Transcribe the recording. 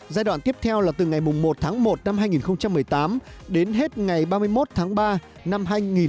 giai đoạn tiếp theo là từ ngày một tháng một năm hai nghìn một mươi tám đến hết ngày ba mươi một tháng ba năm hai nghìn một mươi chín